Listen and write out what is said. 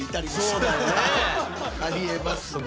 ありえますもんね。